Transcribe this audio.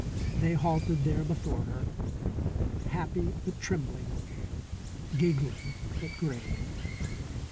They halted there before her, happy but trembling, giggling but grave.